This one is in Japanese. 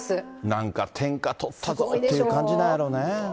なんか、天下取ったぞって感じなんやろね。